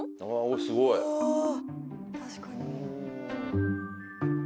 お確かに。